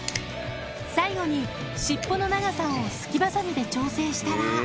最後に尻尾の長さをすきばさみで調整したら。